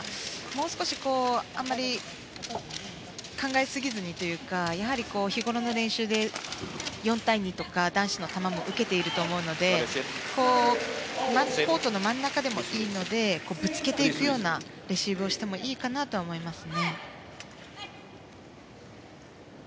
もう少しあまり考えすぎずにというかやはり日ごろの練習で４対２とか男子の球も受けていると思うのでコートの真ん中でもいいのでぶつけていくようなレシーブをしてもいいかなと思います。